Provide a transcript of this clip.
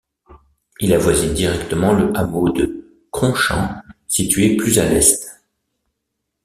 Il avoisine directement le hameau de Cronchamps situé plus à l'est.